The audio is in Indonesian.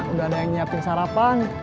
udah ada yang nyiapin sarapan